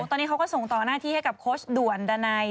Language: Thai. ตอนนี้เขาก็ส่งต่อหน้าที่ให้กับโค้ชด่วนดานัย